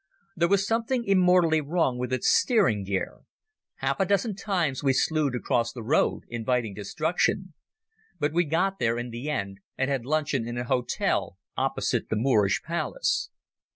There was something immortally wrong with its steering gear. Half a dozen times we slewed across the road, inviting destruction. But we got there in the end, and had luncheon in an hotel opposite the Moorish palace.